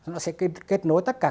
nó sẽ kết nối tất cả